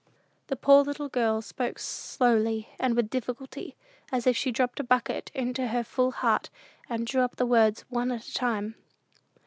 The poor little girl spoke slowly and with difficulty, as if she dropped a bucket into her full heart, and drew up the words one at a time.